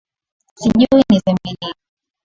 Sijui niseme nini?